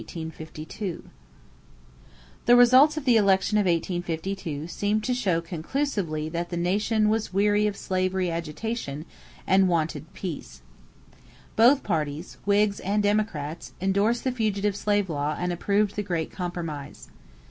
= The results of the election of 1852 seemed to show conclusively that the nation was weary of slavery agitation and wanted peace. Both parties, Whigs and Democrats, endorsed the fugitive slave law and approved the Great Compromise.